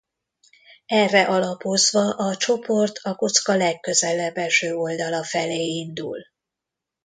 Erre alapozva a csoport a Kocka legközelebb eső oldala felé indul.